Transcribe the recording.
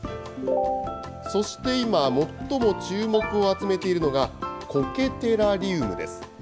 そして今、最も注目を集めているのが、苔テラリウムです。